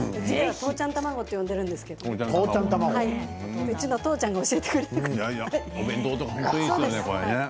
父ちゃん卵と言ってるんですけどうちのお父ちゃんが教えてくれたから。